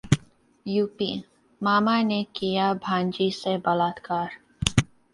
UP मामा ने किया भांजी से बलात्कार